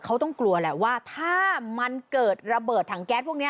เขาต้องกลัวแหละว่าถ้ามันเกิดระเบิดถังแก๊สพวกนี้